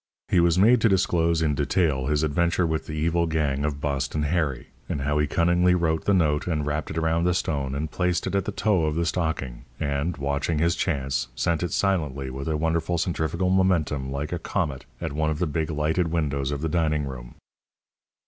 He was made to disclose in detail his adventure with the evil gang of Boston Harry, and how he cunningly wrote the note and wrapped it around the stone and placed it at the toe of the stocking, and, watching his chance, sent it silently, with a wonderful centrifugal momentum, like a comet, at one of the big lighted windows of the dining room.